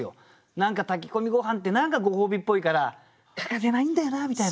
何か炊き込みごはんって何かご褒美っぽいから欠かせないんだよなみたいな。